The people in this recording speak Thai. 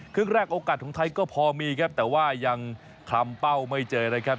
ครึ่งแรกโอกาสของไทยก็พอมีครับแต่ว่ายังคลำเป้าไม่เจอนะครับ